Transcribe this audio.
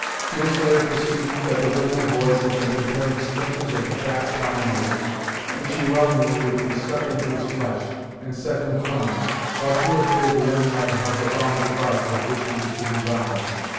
Deerslayer perceived that the women and boys had been preparing splinters of the fat pine roots, which he well knew were to be stuck into his flesh, and set in flames, while two or three of the young men held the thongs of bark with which he was to be bound.